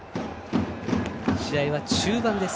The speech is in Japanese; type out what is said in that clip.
試合は中盤です。